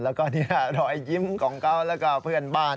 แล้วก็รอยยิ้มของเขาแล้วก็เพื่อนบ้าน